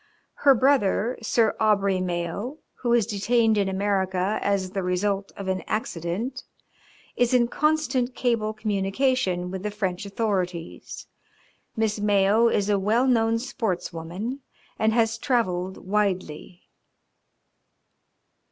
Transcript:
Her brother, Sir Aubrey Mayo, who is detained in America as the result of an accident, is in constant cable communication with the French authorities. Miss Mayo is a well known sports woman and has travelled widely."